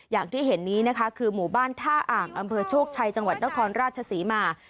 อย่างที่เห็นนี้นะคะคือหมู่บ้านท่าอ่างอำเภอโชคชัยจังหวัดนครราชศรีมา